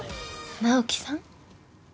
直樹さん？